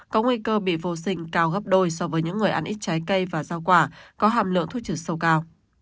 có nguy cơ bị vô sinh cao gấp đôi so với những người ăn ít trái cây và rau quả có hàm lượng thuốc trừ sâu cao